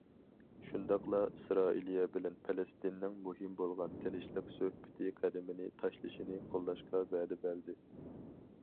شۇنداقلا ئىسرائىلىيە بىلەن پەلەستىننىڭ مۇھىم بولغان تىنچلىق سۆھبىتى قەدىمىنى تاشلىشىنى قوللاشقا ۋەدە بەردى.